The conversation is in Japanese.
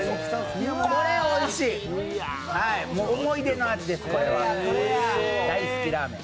これ、おいしい、思い出の味です、これは、大好きラーメン。